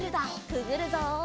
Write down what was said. くぐるぞ。